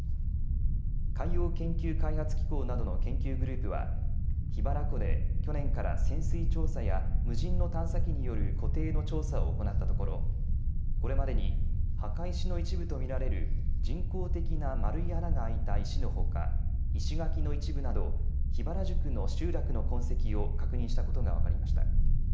海洋研究開発機構などの研究グループは桧原湖で去年から潜水調査や無人の探査機による湖底の調査を行ったところこれまでに墓石の一部と見られる人工的な丸い穴が開いた石のほか石垣の一部など桧原宿の集落の痕跡を確認したことが分かりました。